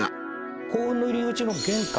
幸運の入り口の玄関。